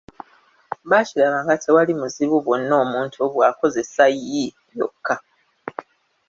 Baakiraba nga tewali buzibu bwonna omuntu bw’akozesa ‘l’ yokka.